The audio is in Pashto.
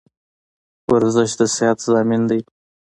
ورزش دصیحت زامین ده